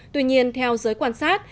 tuy nhiên theo giới quan sát